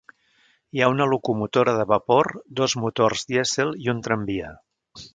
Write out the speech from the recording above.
Hi ha una locomotora de vapor, dos motors dièsel i un tramvia.